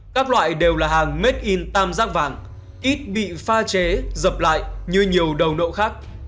các loại đều là hàng made in tam giác vàng ít bị pha chế dập lại như nhiều đầu nộ khác